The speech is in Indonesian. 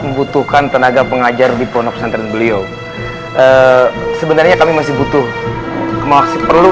membutuhkan tenaga pengajar di pondok pesantren beliau sebenarnya kami masih butuh perlu